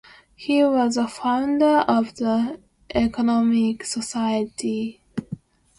He was a founder of the Econometric Society.